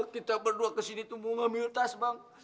kita berdua kesini tuh mau ngambil tas bang